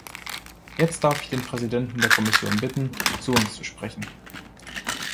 Jetzt darf ich den Präsidenten der Kommission bitten, zu uns zu sprechen.